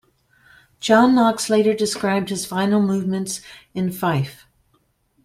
John Knox later described his final movements in Fife.